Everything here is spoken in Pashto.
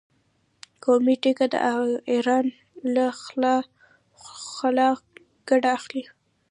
قومي ټيکه داران له خلا ګټه اخلي.